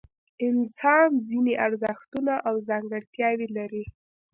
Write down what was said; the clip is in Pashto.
انسان ځینې ارزښتونه او ځانګړتیاوې لري.